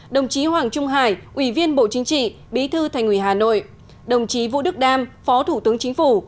đồng chí hoàng trung hải ủy viên bộ chính trị bí thư thành ủy hà nội đồng chí vũ đức đam phó thủ tướng chính phủ